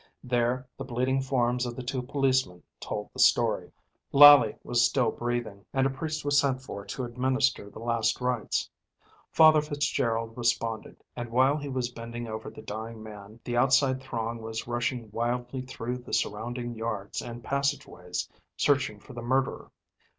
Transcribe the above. There the bleeding forms of the two policemen told the story. Lally was still breathing, and a priest was sent for to administer the last rites. Father Fitzgerald responded, and while he was bending over the dying man the outside throng was rushing wildly through the surrounding yards and passageways searching for the murderer.